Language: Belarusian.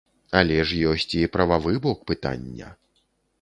Але ж ёсць і прававы бок пытання.